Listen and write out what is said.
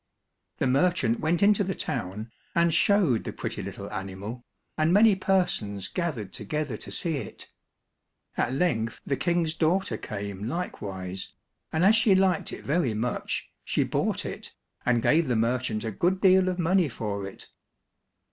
The merchant went into the town, and showed the pretty little animal, and many persons gathered together to see it. At length the King's daughter came likewise, and as she liked it very much, she bought it, and gave the merchant a good deal of money for it.